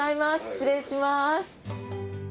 失礼します。